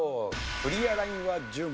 クリアラインは１０問。